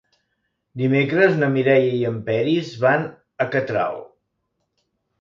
Dimecres na Mireia i en Peris van a Catral.